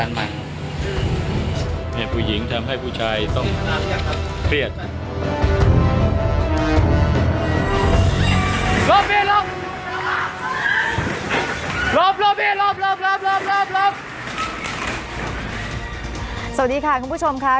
สวัสดีค่ะคุณผู้ชมค่ะ